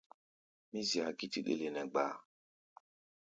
Mí zia gítí ɗele nɛ gbaá.